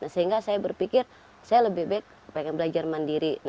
sehingga saya berpikir saya lebih baik pengen belajar mandiri